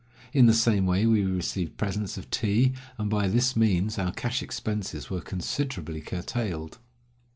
In the same way we received presents of tea, and by this means our cash expenses were considerably curtailed.